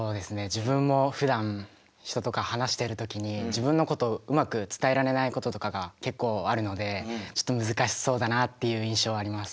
自分もふだん人とか話してる時に自分のことをうまく伝えられないこととかが結構あるのでちょっと難しそうだなっていう印象はあります。